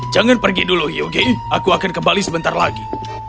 jangan pergi dulu yuk aku akan kembali sebentar lagi